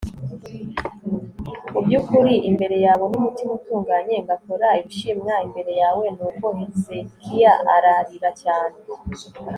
mu by'ukuri imbere yawe n'umutima utunganye ngakora ibishimwa imbere yawe. nuko hezekiya ararira cyane